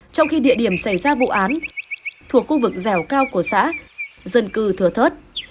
trong khi địa điểm xảy ra vụ án thuộc khu vực dẻo cao của xã dân cư thừa thớt